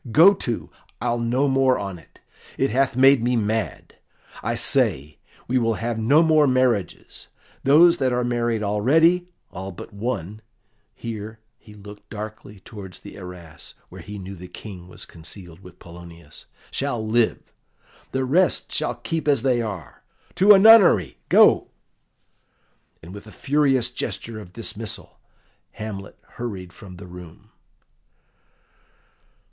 Go to, I'll no more on it; it hath made me mad. I say, we will have no more marriages; those that are married already all but one" here he looked darkly towards the arras, where he knew the King was concealed with Polonius "shall live; the rest shall keep as they are. To a nunnery, go!" And with a furious gesture of dismissal Hamlet hurried from the room.